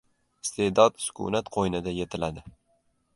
Iste’dod sukunat qo‘ynida yetiladi